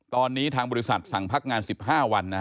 ตอนนี้ทางบริษัทสั่งพักงาน๑๕วัน